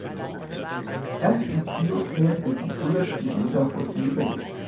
Erst im Pliozän sind die frühesten Rinder fossil belegt.